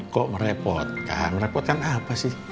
kok merepotkan merepotkan apa sih